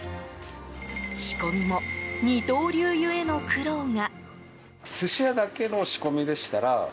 仕込みも、二刀流ゆえの苦労が。